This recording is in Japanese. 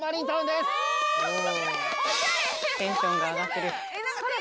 ・おしゃれ。